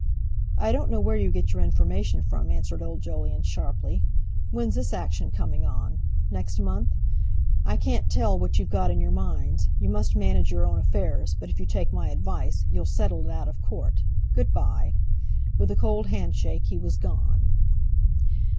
"I don't know where you get your information from," answered old Jolyon sharply. "When's this action coming on? Next month? I can't tell what you've got in your minds. You must manage your own affairs; but if you take my advice, you'll settle it out of Court. Good bye!" With a cold handshake he was gone.